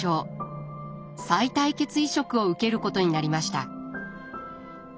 さい帯血移植を受けることになりました。